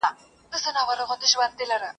په ککړو په مستیو په نارو سوه ..